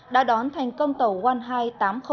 đã đón thành công tàu wanhai tám trăm linh năm